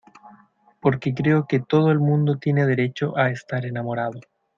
porque creo que todo el mundo tiene derecho a estar enamorado.